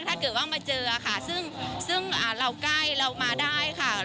ถ้าเกิดว่ามาเจอค่ะซึ่งเราใกล้เรามาได้ค่ะ